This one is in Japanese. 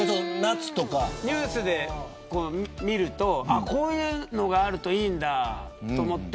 ニュースで見るとこういうのがあるといいんだと思って。